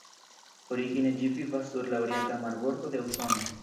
Origine ĝi vivas sur la orienta marbordo de Usono.